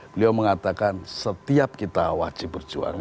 beliau mengatakan setiap kita wajib berjuang